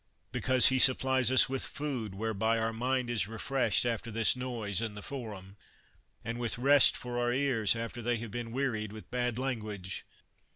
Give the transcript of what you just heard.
Because he supplies us with food whereby our mind is refreshed after this noise in the forum, and with rest for our ears after they have been wearied with bad lan guage.